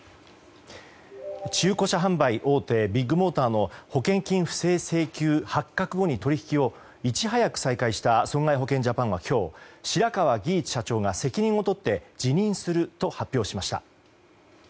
中古車販売大手ビッグモーターの保険金不正請求発覚後取引をいち早く再開した損害保険ジャパンが昨日白川儀一社長が責任を取って辞任すると発表しました。